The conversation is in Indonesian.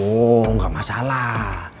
oh nggak masalah